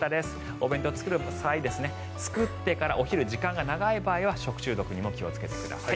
お弁当を作る際には作ってからお昼時間が長い場合は食中毒にも気をつけてください。